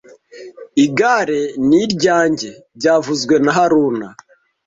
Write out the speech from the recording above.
Igare ni iryanjye byavuzwe na haruna